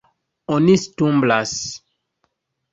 Oni stumblas.